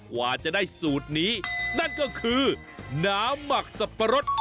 กว่าจะได้สูตรนี้นั่นก็คือน้ำหมักสับปะรด